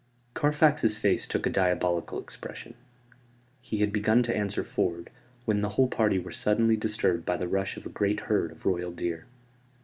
Carfax's face took a diabolical expression. He had begun to answer Ford, when the whole party were suddenly disturbed by the rush of a great herd of Royal deer.